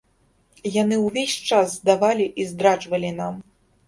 Яны нас увесь час здавалі і здраджвалі нам!